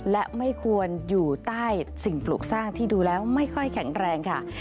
และไม่ควรอยู่ใต้สิ่งปลูกสร้างที่ดูแล้วไม่ค่อยแข็งแรงค่ะ